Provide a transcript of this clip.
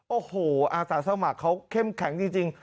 โอ้โหอาสาสมัครเขาเข้มแข็งจริง